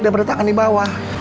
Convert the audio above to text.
daripada tangan di bawah